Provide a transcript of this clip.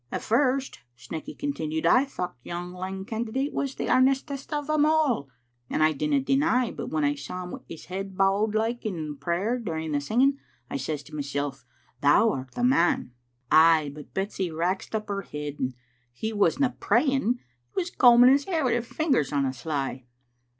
" "At first," Snecky continued, "I thocht yon lang candidate was the earnestest o' them a*, and I dinna deny but when I saw him wi' his head bowed like in prayer during the singing I says to mysel*, *Thou art the man. ' Ay, but Betsy wraxed up her head, and he wasna praying. He was combing his hair wi* his fin gers on the sly."